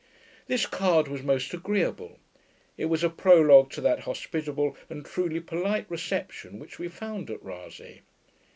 This card was most agreeable; it was a prologue to that hospitable and truly polite reception which we found at Rasay.